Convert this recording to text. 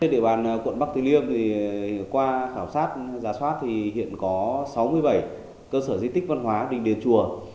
trên địa bàn quận bắc thị liêm thì qua khảo sát giả soát thì hiện có sáu mươi bảy cơ sở di tích văn hóa đình đề chùa